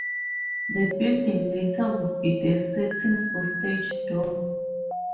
The building later would be the setting for "Stage Door".